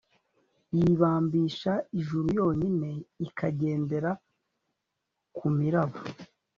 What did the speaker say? yibambisha ijuru yonyine ikagendera ku miraba